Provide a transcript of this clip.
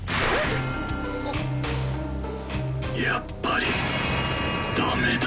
やっぱり駄目だ。